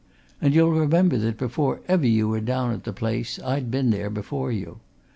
And you'll remember that before ever you were down at the place, I'd been there before you.